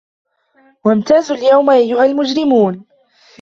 وَامْتَازُوا الْيَوْمَ أَيُّهَا الْمُجْرِمُونَ